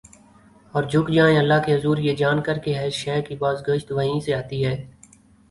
اور جھک جائیں اللہ کے حضور یہ جان کر کہ ہر شے کی باز گشت وہیں سے آتی ہے ۔